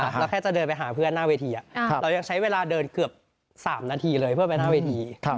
เราแค่จะเดินไปหาเพื่อนหน้าเวทีเรายังใช้เวลาเดินเกือบ๓นาทีเลยเพื่อไปหน้าเวที